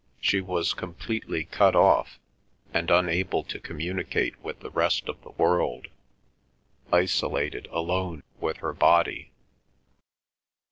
She was completely cut off, and unable to communicate with the rest of the world, isolated alone with her body.